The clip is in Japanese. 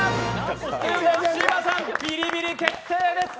芝さん、ビリビリ決定です。